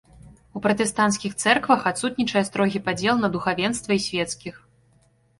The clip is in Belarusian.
У пратэстанцкіх цэрквах адсутнічае строгі падзел на духавенства і свецкіх.